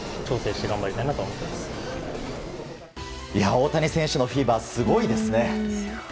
大谷選手のフィーバーすごいですね。